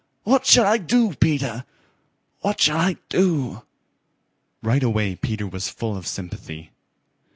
What shall I do, Peter? What shall I do?" Right away Peter was full of sympathy.